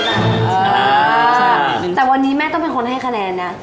อ๋อใช่ครับแต่วันนี้แม่ต้องเป็นคนให้คะแนนนะ